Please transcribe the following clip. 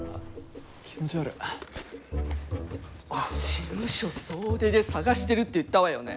事務所総出で探してるって言ったわよね？